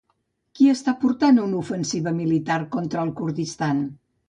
Qui està portant una ofensiva militar contra el Kurdistan?